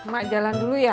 mak jalan dulu ya